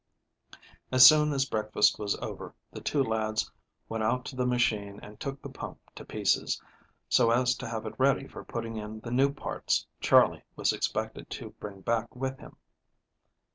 As soon as breakfast was over the two lads went out to the machine and took the pump to pieces, so as to have it ready for putting in the new parts Charley was expected to bring back with him.